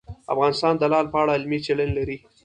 افغانستان د لعل په اړه علمي څېړنې لري.